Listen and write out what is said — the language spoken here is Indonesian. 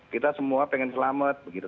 kita semua pengen selamat begitu